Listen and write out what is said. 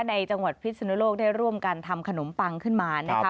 จังหวัดพิศนุโลกได้ร่วมกันทำขนมปังขึ้นมานะคะ